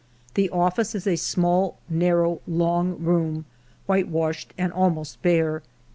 The office is a small, narrow, long room, white washed and almost bare.